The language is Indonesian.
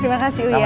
terima kasih uya